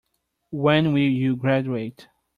When will you graduate?